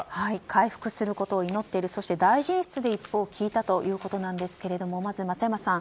回復することを祈っているそして、大臣室で一報を聞いたということなんですがまず、松山さん。